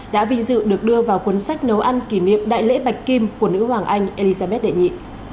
đã vinh dự được đưa vào cuốn sách nấu ăn kỷ niệm đại lễ bạch kim của nữ hoàng anh elizabeth đệ nhị